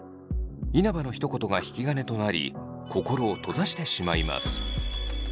稲葉のひと言が引き金となり心を閉ざしてしまいます。